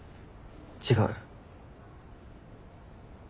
違う。